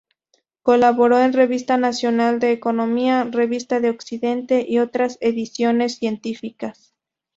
Colaboró en "Revista Nacional de Economía", "Revista de Occidente" y otras ediciones científicas.